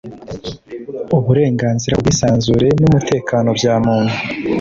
uburenganzira ku bwisanzure n umutekano bya muntu